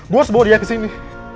gue harus bawa dia kesini